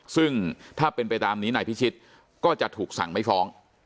ซึ่งถ้าเป็นไปตามนี้นายพิชิตก็จะถูกสั่งไม่ฟ้อง